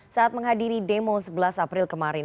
saat menghadiri demo sebelas april kemarin